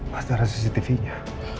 pasti ada cctvnya